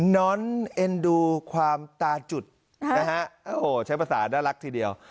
้อนเอ็นดูความตาจุดนะฮะโอ้โหใช้ภาษาน่ารักทีเดียว